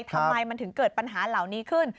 ทำไมมันถึงเกิดปัญหาเหล่านี้ขึ้น